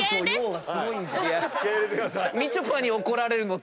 みちょぱに怒られるの。